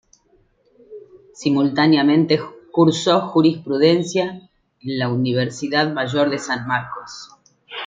Simultáneamente cursó Jurisprudencia en la Universidad Mayor de San Marcos.